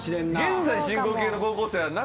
現在進行形の高校生はなかなか。